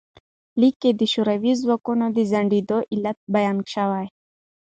لیک کې د شوروي ځواکونو د ځنډیدو علت بیان شوی.